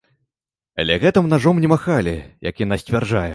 Але гэтым нажом не махалі, як яна сцвярджае.